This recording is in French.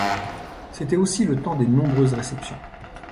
C'était aussi le temps des nombreuses réceptions.